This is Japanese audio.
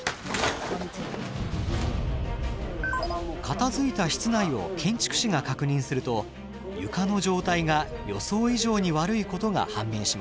片づいた室内を建築士が確認すると床の状態が予想以上に悪いことが判明しました。